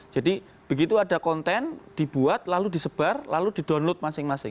jadi begitu ada konten dibuat lalu disebar lalu didownload masing masing